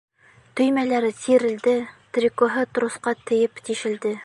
Төймәләре тирелде, трикоһы тросҡа тейеп тишелде.